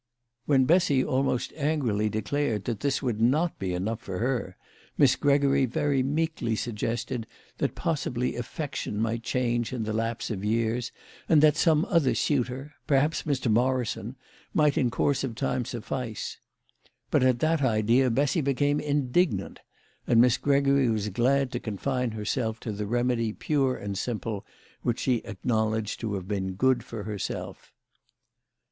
When Bessy almost angrily declared 172 THE LADY OF LAUNAY. that this would not be enough for her, Miss Gregory very meekly suggested that possibly affection might change in the lapse of years, and that some other suitor perhaps Mr. Morrison might in course of time suffice. But at the idea Bessy became indignant, and Miss Gregory was glad to confine herself to the remedy pure and simple which she acknowledged to have been good for herself.